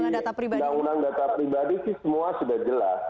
kalau di undang undang data pribadi semua sudah jelas